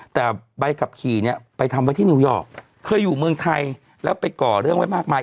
แต่ใบขับขี่เนี่ยไปทำไว้ที่นิวยอร์กเคยอยู่เมืองไทยแล้วไปก่อเรื่องไว้มากมาย